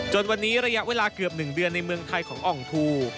วันนี้ระยะเวลาเกือบ๑เดือนในเมืองไทยของอ่องทู